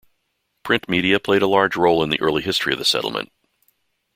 Print media played a large role in the early history of the settlement.